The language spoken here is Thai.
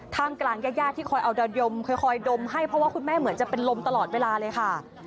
กลางญาติที่คอยเอาดาวยมคอยดมให้เพราะว่าคุณแม่เหมือนจะเป็นลมตลอดเวลาเลยค่ะ